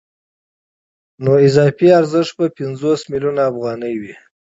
نو اضافي ارزښت به پنځوس میلیونه افغانۍ وي